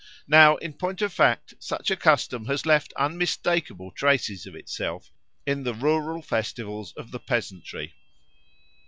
Now in point of fact such a custom has left unmistakable traces of itself in the rural festivals of the peasantry.